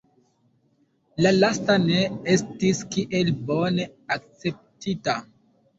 La lasta ne estis kiel bone akceptita.